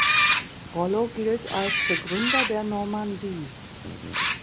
Rollo gilt als Begründer der Normandie.